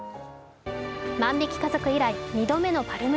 「万引き家族」以来２度目のパルム